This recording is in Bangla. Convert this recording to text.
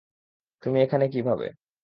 তুমি এখানে কী কীভাবে?